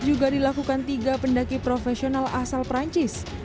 juga dilakukan tiga pendaki profesional asal perancis